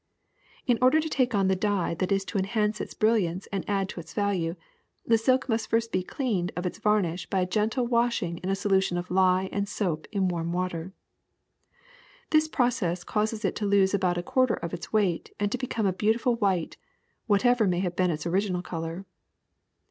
In order to take on the dye that is to enhance its brilliance and add to its value, the silk must first be cleansed of its varnish by a gentle washing in a solution of lye and soap in warm water. This process causes it to lose about a quarter of its weight and to become of a beautiful white, whatever may have been its original color.